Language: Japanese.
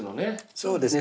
そうですね。